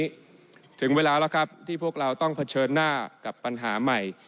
วันนี้ถึงเวลาแล้วครับที่พวกเราต้องเผชิญหน้ากับปัญหาใหม่